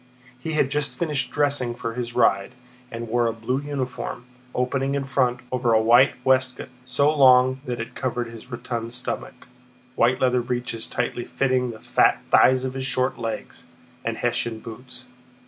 He had just finished dressing for his ride, and wore a blue uniform, opening in front over a white waistcoat so long that it covered his rotund stomach, white leather breeches tightly fitting the fat thighs of his short legs, and Hessian boots.